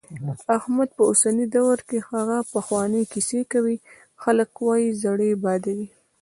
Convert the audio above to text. احمد په اوسني دور کې هغه پخوانۍ کیسې کوي، خلک وايي زړې بادوي.